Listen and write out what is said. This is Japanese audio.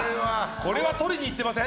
これは取りに行ってません？